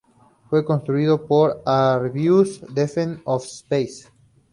Fue construido por Airbus Defence and Space.